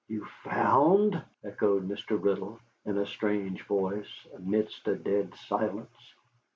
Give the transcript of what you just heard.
"You found?" echoed Mr. Riddle, in a strange voice, amidst a dead silence.